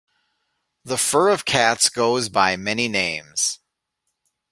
The fur of cats goes by many names.